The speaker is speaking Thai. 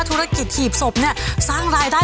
ธุรกิจหีบศพเนี่ยสร้างรายได้